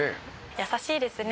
「優しいですね」